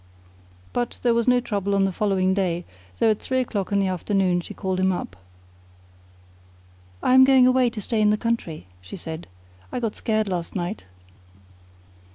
But there was no trouble on the following day, though at three o'clock in the afternoon she called him up. "I am going away to stay in the country," she said. "I got scared last night."